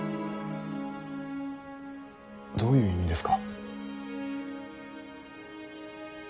どういう意味ですか。